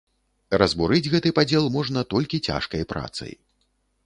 Разбурыць гэты падзел можна толькі цяжкай працай.